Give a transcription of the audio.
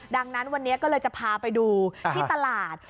ดังนั้นวันนี้ก็เลยจะพาไปดูที่ตลาด